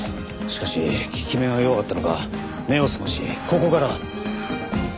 しかし効き目が弱かったのか目を覚ましここから。